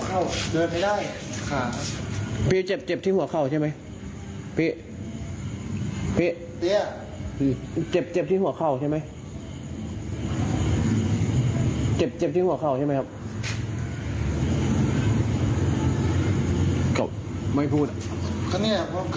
เขาเนี่ยคือไม่รู้ว่ามีกระดูกเครื่องในสมองหรือเปล่านะ